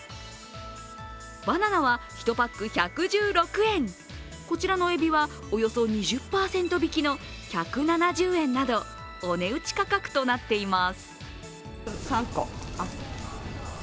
バナナは１パック１１６円、こちらのエビはおよそ２０％引きの１７０円など、お値打ち価格となっています。